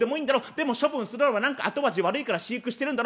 でも処分するのは何か後味悪いから飼育してるんだろ！